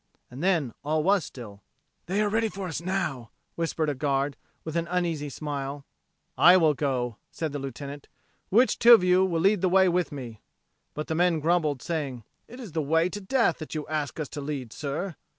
And then all was still. "They are ready for us now," whispered a guard, with an uneasy smile. "I will go," said the Lieutenant. "Which two of you will lead the way with me?" But the men grumbled, saying, "It is the way to death that you ask us to lead, sir."